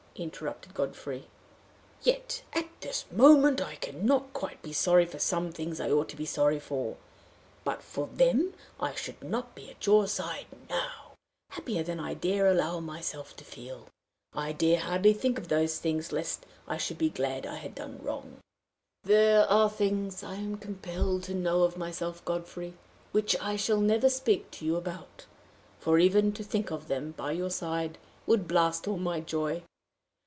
interrupted Godfrey. "Yet, at this moment, I can not quite be sorry for some things I ought to be sorry for: but for them I should not be at your side now happier than I dare allow myself to feel. I dare hardly think of those things, lest I should be glad I had done wrong." "There are things I am compelled to know of myself, Godfrey, which I shall never speak to you about, for even to think of them by your side would blast all my joy.